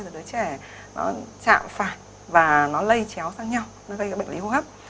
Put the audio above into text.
rồi đứa trẻ nó chạm phải và nó lây chéo sang nhau nó gây bệnh lý hô hấp